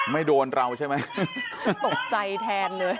ไม่โดนเราใช่ไหมตกใจแทนเลย